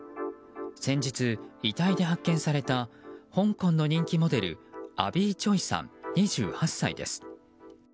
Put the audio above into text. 先日、遺体で発見された香港の人気モデルアビー・チョイさん、２８歳です。